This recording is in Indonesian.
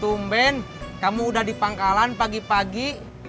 tumben kamu udah di pangkalan pagi pagi